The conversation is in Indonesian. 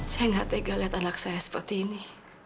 saya nggak tega lihat anak saya seperti ini